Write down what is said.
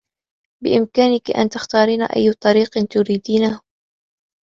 بإمكانكِ أن تختارين أيّ طريق تريدينه.